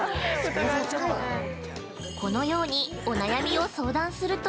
◆このようにお悩みを相談すると。